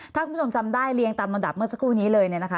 ถ้าคุณผู้ชมจำได้เรียงตามลำดับเมื่อสักครู่นี้เลยเนี่ยนะคะ